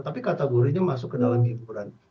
tapi kategorinya masuk ke dalam hiburan